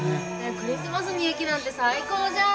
クリスマスに雪なんて最高じゃん。